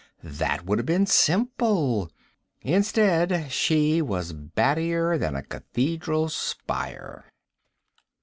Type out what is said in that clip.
That would have been simple. Instead, she was battier than a cathedral spire.